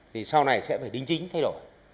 thì sau này sẽ phải đính chính thay đổi